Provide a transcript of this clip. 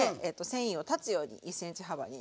繊維を断つように２ｃｍ幅に。